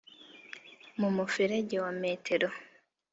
mu muferege wa metero